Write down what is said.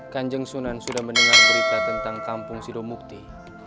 kanjeng sunan sudah mendengar berita tentang kampung sido mukti